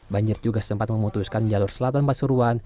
banjir juga sempat memutuskan jalur selatan pasuruan